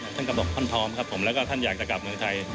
ท่านก็บอกท่านพร้อมครับผมแล้วก็ท่านอยากจะกลับเมืองไทย